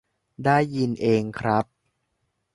ได้ยินเองครับ